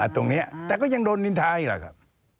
ตรงนี้แต่ก็ยังโดนนินทาอีกแหละครับ